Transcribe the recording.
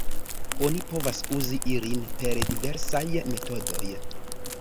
Oni povas uzi ilin per diversaj metodoj.